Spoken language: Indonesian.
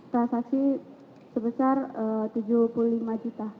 transaksi sebesar tujuh puluh lima juta